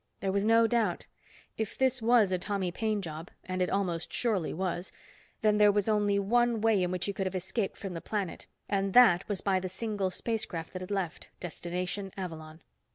There was no doubt. If this was a Tommy Paine job, and it almost surely was, then there was only one way in which he could have escaped from the planet and that was by the single spacecraft that had left, destination Avalon.